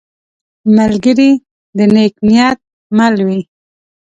ملګری د نیک نیت مل وي